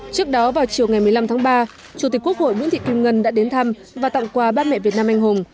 trước đó vào chiều ngày một mươi năm tháng ba chủ tịch quốc hội nguyễn thị kim ngân đã đến thăm và tặng quà bác mẹ việt nam anh hùng